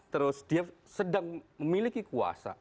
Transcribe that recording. terus dia sedang memiliki kuasa